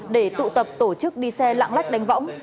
để tụ tập tổ chức đi xe lạng lách đánh võng